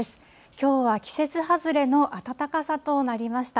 きょうは季節外れの暖かさとなりました。